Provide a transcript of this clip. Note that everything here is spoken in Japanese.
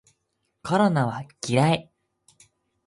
コロナは嫌い